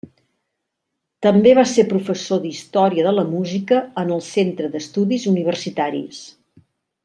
També va ser professor d'Història de la Música en el centre d'estudis Universitaris.